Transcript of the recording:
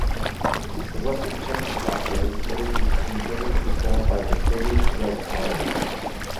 The rest of Czechoslovakia was liberated from German control by the Soviet Red Army.